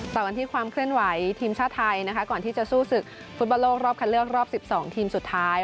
ต่อกันที่ความเคลื่อนไหวทีมชาติไทยนะคะก่อนที่จะสู้ศึกฟุตบอลโลกรอบคันเลือกรอบ๑๒ทีมสุดท้าย